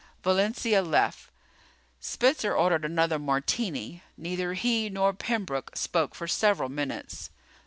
Valencia left. Spencer ordered another martini. Neither he nor Pembroke spoke for several minutes.